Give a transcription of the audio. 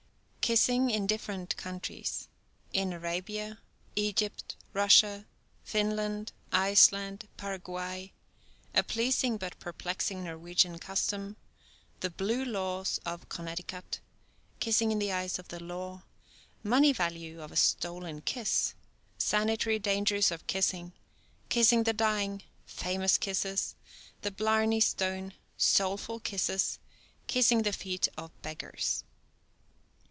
IV. KISSING IN DIFFERENT COUNTRIES: IN ARABIA, EGYPT, RUSSIA, FINLAND, ICELAND, PARAGUAY—A PLEASING BUT PERPLEXING NORWEGIAN CUSTOM—THE "BLUE LAWS" OF CONNECTICUT—KISSING IN THE EYES OF THE LAW—MONEY VALUE OF A STOLEN KISS— SANITARY DANGERS OF KISSING—KISSING THE DYING—FAMOUS KISSES—THE BLARNEY STONE—SOULFUL KISSES—KISSING THE FEET OF BEGGARS.